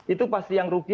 itu pasti yang rugi